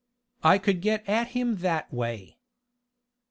I could get at him that way."